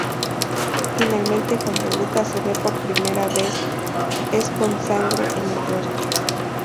Finalmente cuando Lucas se ve por primera vez, es con sangre en el rostro.